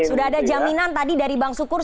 sudah ada jaminan tadi dari bang sukur